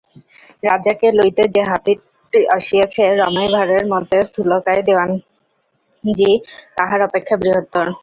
রাজাকে লইতে যে হাতীটি আসিয়াছে রমাই ভাঁড়ের মতে স্থূলকায় দেওয়ানজি তাহার অপেক্ষা বৃহত্তর।